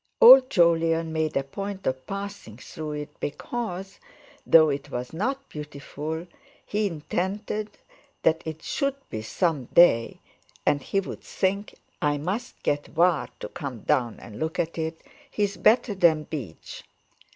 Old Jolyon made a point of passing through it because, though it was not beautiful, he intended that it should be, some day, and he would think: "I must get Varr to come down and look at it; he's better than Beech."